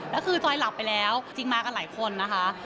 แล้วคือจอยหลับไปแล้วจริงมากันหลายคนนะคะ